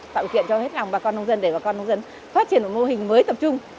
tạo điều kiện cho hết lòng bà con nông dân để bà con nông dân phát triển một mô hình mới tập trung